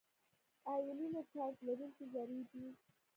آیونونه چارج لرونکي ذرې دي.